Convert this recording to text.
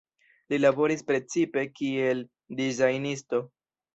Li laboris precipe kiel dizajnisto.